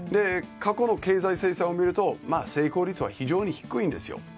過去の経済制裁を見ると成功率は非常に低いんですよ。